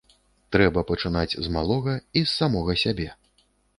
Трэба пачынаць з малога і з самога сябе.